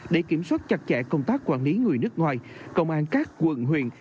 để kiểm soát chặt chẽ công tác quản lý người nước ngoài công an các quận huyện